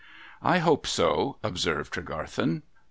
' I hope so,' observed Tregarthen.